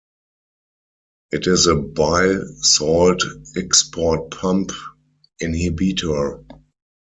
It is a bile salt export pump inhibitor.